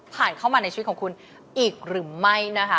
ผ่านเข้ามาในชีวิตของคุณอีกหรือไม่นะคะ